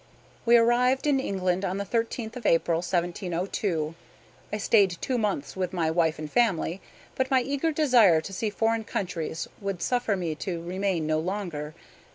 We arrived in England on the 13th of April, 1702. I stayed two months with my wife and family; but my eager desire to see foreign countries would suffer me to remain no longer.